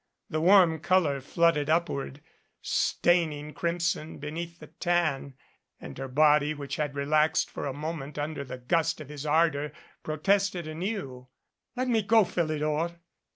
The warm color flooded upward, stain ing crimson beneath the tan, and her body which had re laxed for a moment under the gust of his ardor protested anew. "Let me go, Philidor.